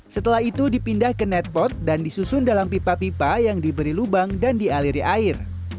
setelah itu dipindah ke netpot dan disusun dalam pipa pipa yang diberi lubang dan dialiri air